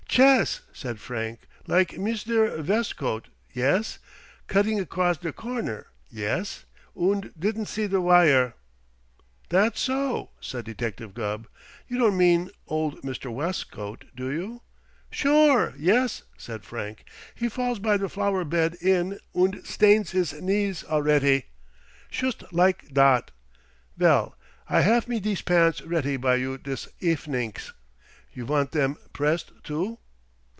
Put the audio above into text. "Chess," said Frank. "Like Misder Vestcote, yes? Cudding across der corner, yes, und didn't see der vire?" "That so?" said Detective Gubb. "You don't mean old Mr. Westcote, do you?" "Sure, yes!" said Frank. "He falls by der flower bed in, und stains his knees alretty, shust like dot. Vell, I have me dese pants retty by you dis efenings. You vant dem pressed too?"